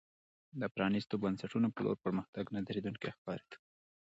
د پرانیستو بنسټونو په لور پرمختګ نه درېدونکی ښکارېده.